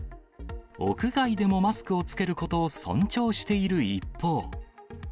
屋外でもマスクを着けることを尊重している一方。